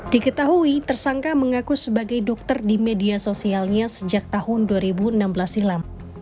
diketahui tersangka mengaku sebagai dokter di media sosialnya sejak tahun dua ribu enam belas silam